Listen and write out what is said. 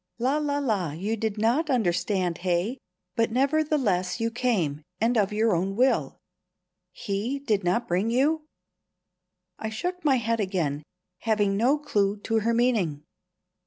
"La la la you did not understand, hey? But, nevertheless, you came, and of your own will. He did not bring you?" I shook my head again, having no clue to her meaning.